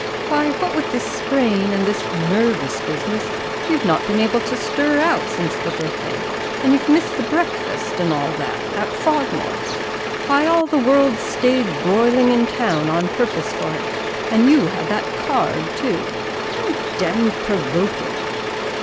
Why, what with this sprain, and this nervous business, you've not been able to stir out since the birthday, and you've missed the breakfast, and all that, at Frogmore why, all the world stayed broiling in town on purpose for it, and you that had a card too how damned provoking!"